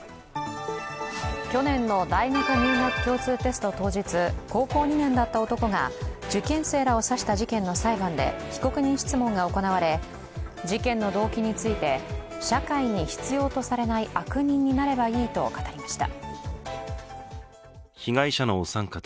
去年の大学入学共通テスト当日、高校２年だった男が受験生らを刺した事件の裁判で被告人質問が行われ、事件の動機について、社会に必要とされない悪人になればいいと語りました。